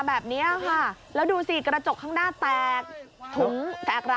อันนี้จังหวะนี้